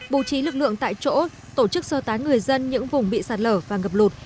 bố trí lực lượng tại chỗ tổ chức sơ tán người dân những vùng bị sạt lở và ngập lụt